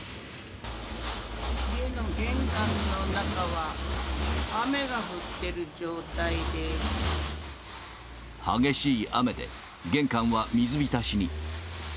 家の玄関の中は、雨が降って激しい雨で玄関は水浸しに。